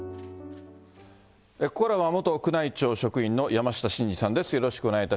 ここからは元宮内庁職員の山下晋司さんです。